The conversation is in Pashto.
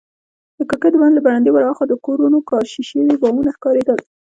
د کړکۍ دباندې له برنډې ورهاخوا د کورونو کاشي شوي بامونه ښکارېدل.